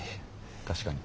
確かに。